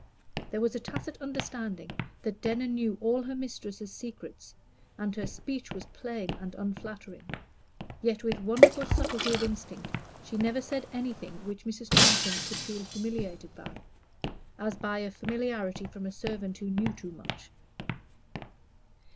There was a tacit understanding that Denner knew all her mistress's secrets, and her speech was plain and unflattering; yet with wonderful subtlety of instinct she never said anything which Mrs. Transome could feel humiliated by, as by familiarity from a servant who knew too much.